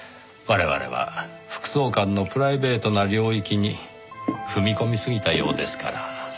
我々は副総監のプライベートな領域に踏み込みすぎたようですから。